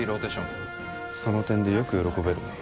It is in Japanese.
その点でよく喜べるな。